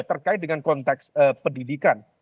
terkait dengan konteks pendidikan